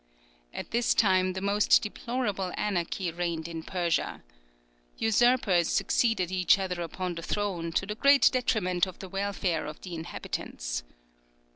At this time the most deplorable anarchy reigned in Persia. Usurpers succeeded each other upon the throne, to the great detriment of the welfare of the inhabitants.